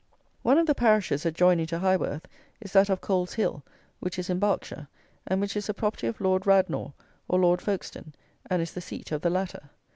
One of the parishes adjoining to Highworth is that of Coleshill, which is in Berkshire, and which is the property of Lord Radnor, or Lord Folkestone, and is the seat of the latter.